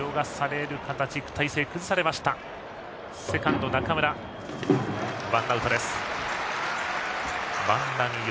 セカンドの中村がとってワンアウト。